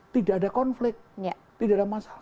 tidak ada konflik tidak ada masalah